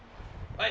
はい。